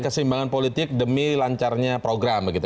kesimbangan politik demi lancarnya program